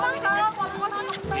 ya di sini aja tahu